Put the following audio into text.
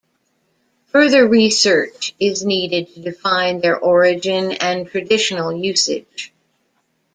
Further research is needed to define their origin and traditional usage.